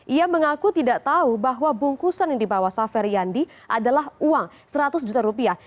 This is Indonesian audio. ia mengaku tidak tahu bahwa bungkusan yang dibawa saferi yandi adalah uang seratus juta rupiah